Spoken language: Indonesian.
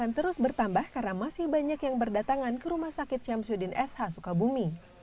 akan terus bertambah karena masih banyak yang berdatangan ke rumah sakit syamsuddin sh sukabumi